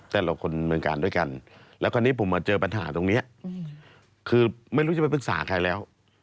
แต่เราคนเมืองกาลด้วยกันแล้วคราวนี้ผมมาเจอปัญหาตรงนี้คือไม่รู้จะไปปรึกษาใครแล้ว